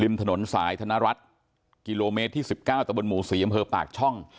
ถนนสายธนรัฐกิโลเมตรที่๑๙ตะบนหมู่๔อำเภอปากช่อง